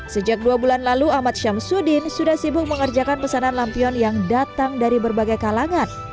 sejak dua bulan lalu ahmad syamsuddin sudah sibuk mengerjakan pesanan lampion yang datang dari berbagai kalangan